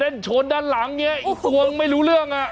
แต่เล่นชนด้านหลังนี่อีกตัวลงไม่รู้เรื่อง